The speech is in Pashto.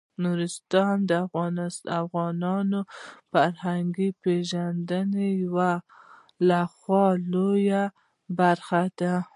نورستان د افغانانو د فرهنګي پیژندنې یوه خورا لویه برخه ده.